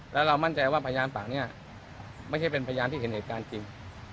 แล้วเรามั่นใจว่าพยานปากนี้ไม่ใช่เป็นพยานที่เห็นเหตุการณ์จริง